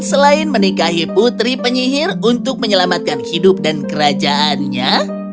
selain menikahi putri penyihir untuk menyelamatkan hidup dan kerajaannya